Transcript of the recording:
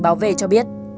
báo về cho biết